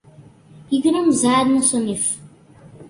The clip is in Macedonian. Играм заедно со нив.